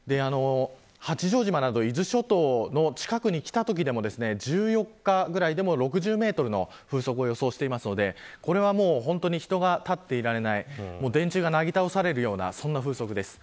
八丈島など伊豆諸島の近くに来たときなど１４日くらいでも６０メートルの風速を予想していますのでこれは人が立っていられない電柱がなぎ倒されるような風速です。